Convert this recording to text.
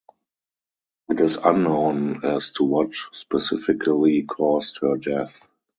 It is unknown as to what specifically caused her death.